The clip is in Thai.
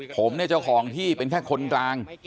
ผมเนี่ยเจ้าของที่เป็นแค่คนกลาง